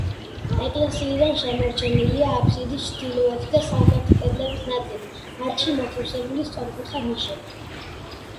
ეკლესიიდან შემორჩენილია აბსიდის ჩრდილოეთი და სამხრეთი კედლების ნაწილი, მათში მოთავსებული სწორკუთხა ნიშებით.